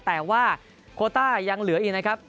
แต่ว่าโคต้ายังเหลืออีกนะครับ